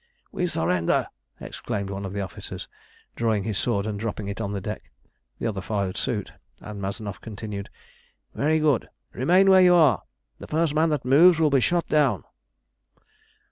"We surrender!" exclaimed one of the officers, drawing his sword and dropping it on the deck. The other followed suit, and Mazanoff continued "Very good. Remain where you are. The first man that moves will be shot down."